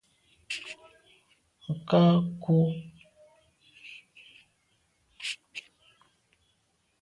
Nka’ kù.